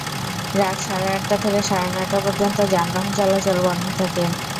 রাত সাড়ে আটটা থেকে সাড়ে নয়টা পর্যন্ত যানবাহন চলাচল বন্ধ থাকে।